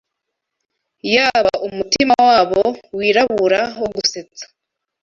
Yaba umutima wabo wirabura wo gusetsa